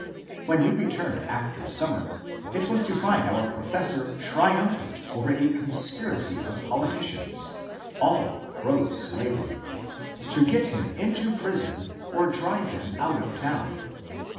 When we returned after summer it was to find our professor triumphant over a conspiracy of politicians — all proslavery — to get him into prison or drive him out of town.